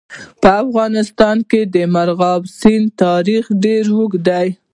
په افغانستان کې د مورغاب سیند تاریخ ډېر اوږد دی.